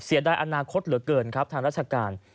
เสียดายอนาคตเหลือเกินครับทางราชการ